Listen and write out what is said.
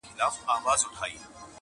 بېشکه مرګه چي زورور یې٫